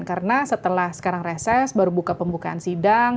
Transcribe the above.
karena setelah sekarang reses baru buka pembukaan sidang